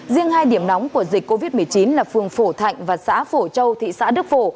riêng hai điểm nóng của dịch covid một mươi chín là phường phổ thạnh và xã phổ châu thị xã đức phổ